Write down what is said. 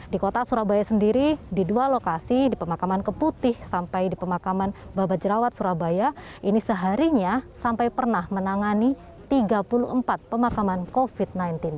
di kota surabaya sendiri di dua lokasi di pemakaman keputih sampai di pemakaman babat jerawat surabaya ini seharinya sampai pernah menangani tiga puluh empat pemakaman covid sembilan belas